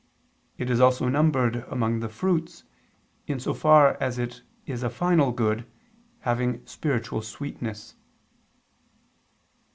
It is also numbered among the fruits, in so far as it is a final good, having spiritual sweetness.